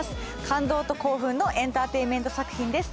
感動と興奮のエンターテインメント作品です。